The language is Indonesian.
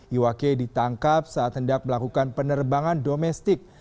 iwake ditangkap saat hendak melakukan penerbangan domestik